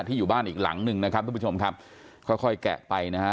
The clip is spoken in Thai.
ที่อยู่บ้านอีกหลังนึงนะครับท่านผู้ชมครับค่อยแกะไปนะฮะ